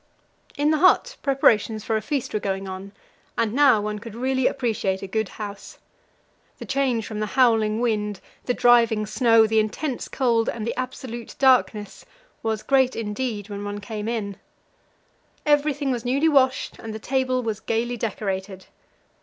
In the hut preparations for a feast were going on, and now one could really appreciate a good house. The change from the howling wind, the driving snow, the intense cold, and the absolute darkness, was great indeed when one came in. Everything was newly washed, and the table was gaily decorated.